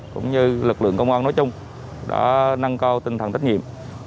cũng như lực lượng công an nói chung đã nâng cao tinh thần trách nhiệm